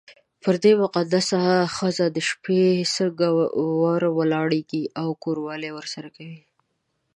پر دې مقدسه ښځه د شپې څنګه ور ولاړېږې او کوروالی ورسره کوې.